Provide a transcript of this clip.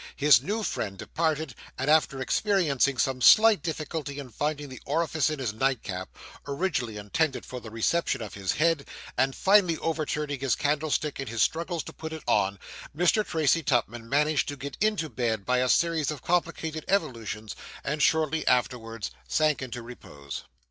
His new friend departed; and, after experiencing some slight difficulty in finding the orifice in his nightcap, originally intended for the reception of his head, and finally overturning his candlestick in his struggles to put it on, Mr. Tracy Tupman managed to get into bed by a series of complicated evolutions, and shortly afterwards sank into repose.